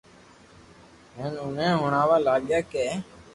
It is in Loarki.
ھين اوني ھڻاوا لاگيا ڪي